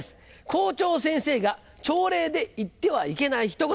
校長先生が朝礼で言ってはいけない一言。